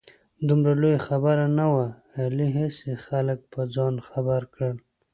دومره لویه خبره نه وه. علي هسې خلک په ځان خبر کړ.